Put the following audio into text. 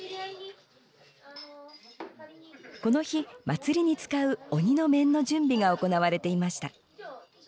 この日祭りに使う鬼の面の準備が行われていました。